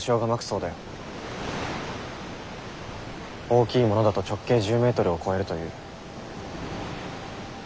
大きいものだと直径１０ｍを超えるという。